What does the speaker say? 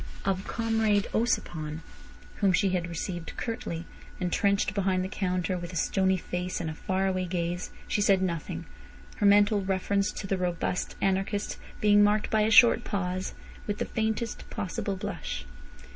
Of Comrade Ossipon, whom she had received curtly, entrenched behind the counter with a stony face and a faraway gaze, she said nothing, her mental reference to the robust anarchist being marked by a short pause, with the faintest possible blush.